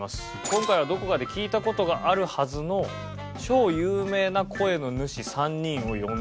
今回はどこかで聞いた事があるはずの超有名な声の主３人を呼んでいるという。